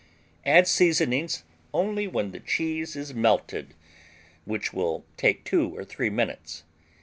Add seasonings only when the cheese is melted, which will take two or three minutes.